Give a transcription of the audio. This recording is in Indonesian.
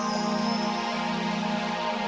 kamu apaashi apartment ya